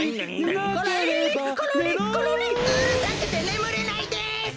うるさくてねむれないです！